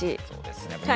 そうですね。